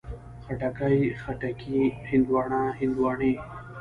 خټکی، خټکي، هندواڼه، هندواڼې